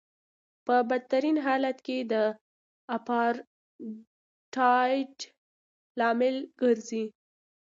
په بدترین حالت کې د اپارټایډ لامل ګرځي.